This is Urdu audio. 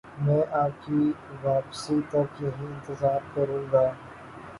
میں آپ کی واپسی تک یہیں انتظار کروں گا